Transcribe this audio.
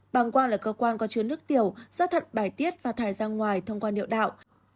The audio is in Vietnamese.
bàng quang là cơ quan có chứa nước tiểu do thận bài tiết và thải ra ngoài thông qua niệm đạo